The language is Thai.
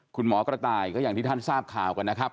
คุณหมอกระต่ายก็อย่างที่ท่านทราบข่าวกันนะครับ